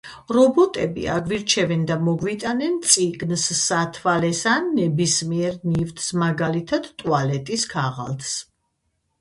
რობოტები აგვირჩევენ და მოგვიტანენ წიგნს, სათვალეს, ან ნებისმიერ ნივთს, მაგალითად – ტუალეტის ქაღალდს.